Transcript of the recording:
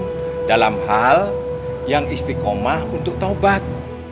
nggak ada hal yang istiqomah untuk taubat